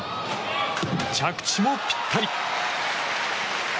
着地もぴったり。